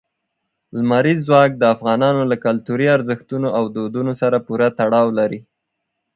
لمریز ځواک د افغانانو له کلتوري ارزښتونو او دودونو سره پوره تړاو لري.